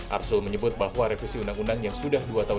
arsul menyebut bahwa revisi undang undang yang sudah dua tahun